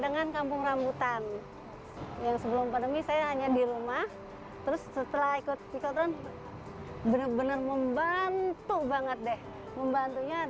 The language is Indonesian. senangnya kita bisa interaksi dengan masyarakat dengan teman teman semua pramudinya